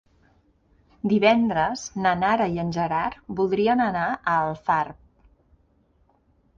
Divendres na Nara i en Gerard voldrien anar a Alfarb.